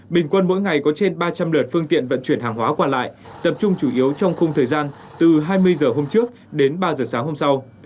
bình quân mỗi ngày có trên ba trăm linh lượt phương tiện vận chuyển hàng hóa qua lại tập trung chủ yếu trong khung thời gian từ hai mươi h hôm trước đến ba giờ sáng hôm sau